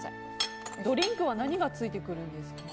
ドリンクは何がついてくるんですか？